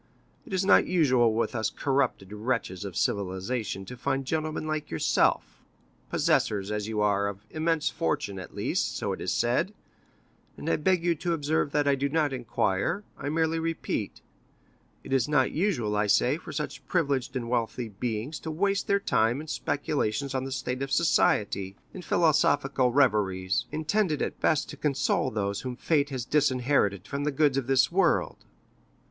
It is not usual with us corrupted wretches of civilization to find gentlemen like yourself, possessors, as you are, of immense fortune—at least, so it is said—and I beg you to observe that I do not inquire, I merely repeat;—it is not usual, I say, for such privileged and wealthy beings to waste their time in speculations on the state of society, in philosophical reveries, intended at best to console those whom fate has disinherited from the goods of this world."